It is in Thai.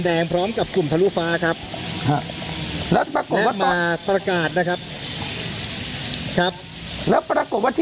ทางกลุ่มมวลชนทะลุฟ้าทางกลุ่มมวลชนทะลุฟ้า